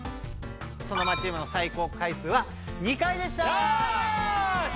ソノマチームのさい高回数は２回でした。